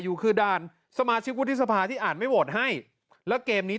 อยู่คือด่านสมาชิกวุฒิสภาที่อ่านไม่โหวตให้แล้วเกมนี้